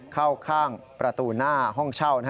เข้าข้างประตูหน้าห้องเช่า